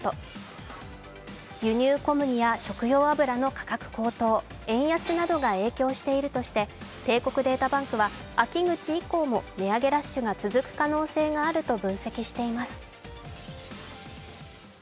輸入小麦や食用油の価格高騰円安などが影響しているとして、帝国データバンクは秋口以降も値上げラッシュが続く可能性があると分析しています。